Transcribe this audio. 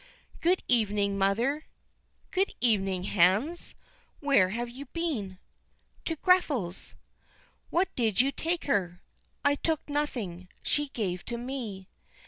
"Good evening, mother." "Good evening, Hans. Where have you been?" "To Grethel's." "What did you take her?" "I took nothing; she gave to me."